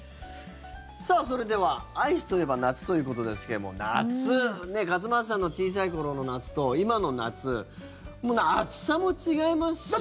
それではアイスといえば夏ということですけども夏、勝俣さんの小さい頃の夏と今の夏もう暑さも違いますし。